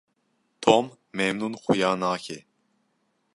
Tom memnûn xuya nake.